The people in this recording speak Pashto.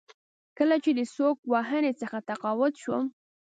کله چې د سوک وهنې څخه تقاعد شوم.